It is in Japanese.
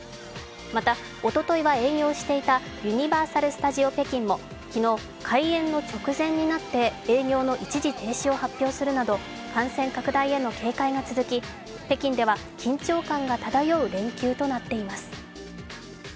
また、おとといは営業していたユニバーサル・スタジオ・北京も昨日、開園の直前になって営業の一時停止を発表するなど感染拡大への警戒が続き北京では緊張感が漂う連休となっています。